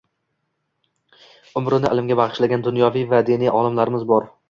Umrini ilmga bag‘ishlagan dunyoviy va diniy olimlarimiz bor.